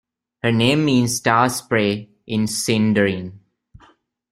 Her name means "Star-spray" in Sindarin.